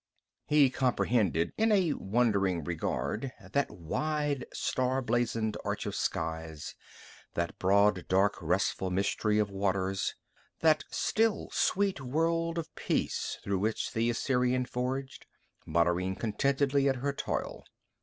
He comprehended in a wondering regard that wide, star blazoned arch of skies, that broad, dark, restful mystery of waters, that still, sweet world of peace through which the Assyrian forged, muttering contentedly at her toil